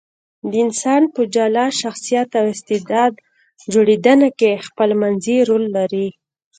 د انسان په جلا شخصیت او استعداد جوړېدنه کې خپلمنځي رول لري.